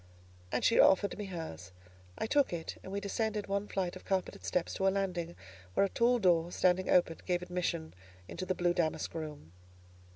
And she offered me hers: I took it, and we descended one flight of carpeted steps to a landing where a tall door, standing open, gave admission into the blue damask room.